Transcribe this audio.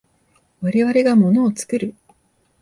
我々が物を作る。